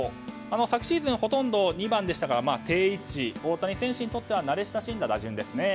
昨シーズンほとんど２番でしたから定位置、大谷選手にとっては慣れ親しんだ打順です。